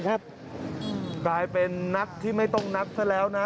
กัลไปเป็นนักที่ไม่ต้องนักเท่าแล้วนะ